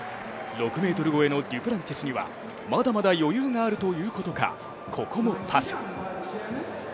６ｍ超えのデュプランティスにはまだまだ余裕があるということか、ここもパス。